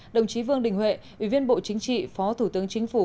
đồng chí vương đình huệ ủy viên bộ chính trị phó thủ tướng chính phủ